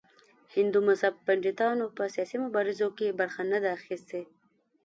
هندو مذهب پنډتانو په سیاسي مبارزو کې برخه نه ده اخیستې.